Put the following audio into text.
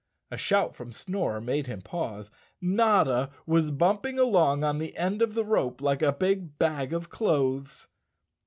A shout from Snorer made him pause. Notta was bumping along on the end of the rope like a big bag of clothes.